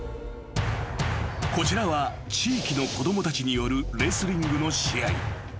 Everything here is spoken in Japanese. ［こちらは地域の子供たちによるレスリングの試合］